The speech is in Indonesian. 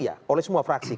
iya oleh semua fraksi